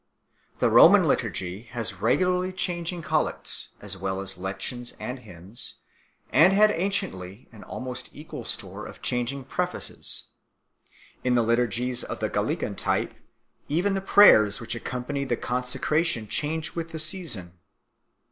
The Roman Liturgy has regularly changing Collects, as well as Lections and Hymns, and had anciently an almost equal store of changing Prefaces 1 . In the Liturgies of the Gallican type even the prayers which accompany the Consecration change with the season.